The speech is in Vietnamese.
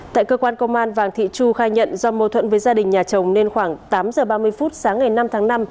tại cơ quan công an vàng thị chu khai nhận do mâu thuẫn với gia đình nhà chồng nên khoảng tám giờ ba mươi phút sáng ngày năm tháng năm